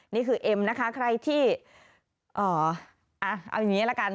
นี่คือเอ็มนะคะใครที่เอาอย่างนี้ละกัน